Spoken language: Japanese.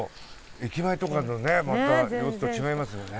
駅前とかとねまた様子と違いますよね。